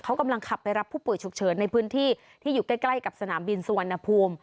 เขากำลังขับไปรับผู้ป่วยฉุกเฉินในพื้นที่ที่อยู่ใกล้กับสนามบินสุวรรณภูมิ